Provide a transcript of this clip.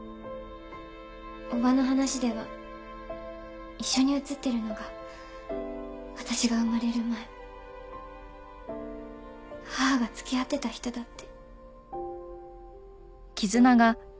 叔母の話では一緒に写ってるのが私が生まれる前母が付き合ってた人だって。